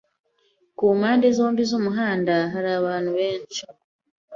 Ku mpande zombi z'umuhanda hari abantu benshi.